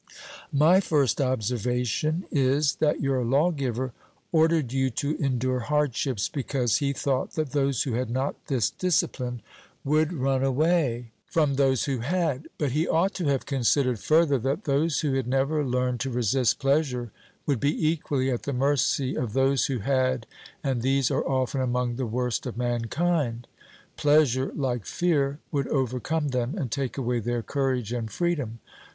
My first observation is, that your lawgiver ordered you to endure hardships, because he thought that those who had not this discipline would run away from those who had. But he ought to have considered further, that those who had never learned to resist pleasure would be equally at the mercy of those who had, and these are often among the worst of mankind. Pleasure, like fear, would overcome them and take away their courage and freedom.